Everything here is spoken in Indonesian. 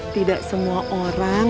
tidak semua orang